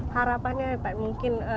harapannya pak mungkin